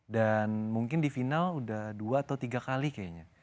dan mungkin di final udah dua atau tiga kali kayaknya